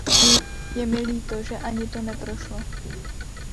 Je mi líto, že ani to neprošlo.